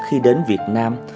khi đến việt nam